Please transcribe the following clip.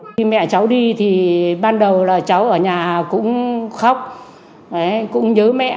khi mẹ cháu đi thì ban đầu là cháu ở nhà cũng khóc cũng nhớ mẹ